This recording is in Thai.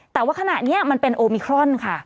แต่ว่าขณะนี้มันเป็นโอมิครอนค่ะ